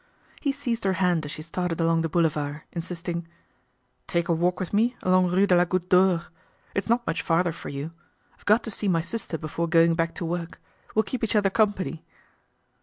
He seized her hand as she started along the boulevard, insisting, "Take a walk with me along Rue de la Goutte d'Or. It's not much farther for you. I've got to see my sister before going back to work. We'll keep each other company."